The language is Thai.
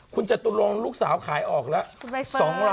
คุณจตุลงลูกสาวขายออกแล้ว